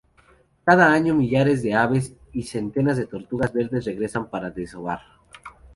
Cada año millares de aves y centenas de tortugas verdes regresan para desovar.